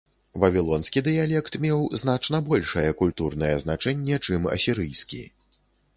Вавілонскі дыялект меў значна большае культурнае значэнне, чым асірыйскі.